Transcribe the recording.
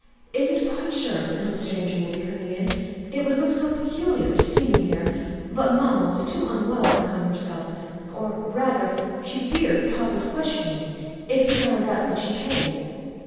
"Is it quite sure that no stranger will be coming in? It would look so peculiar to see me here; but mamma was too unwell to come herself or rather, she feared papa's questioning, if he found out that she came."